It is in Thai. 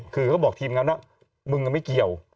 คือเขาบอกทีมงานว่ามึงไม่เกี่ยว